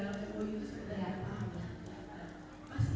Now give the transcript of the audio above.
selama tiga hari